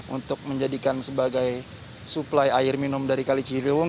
untuk menjadikan sebagai suplai air minum dari kali ciliwung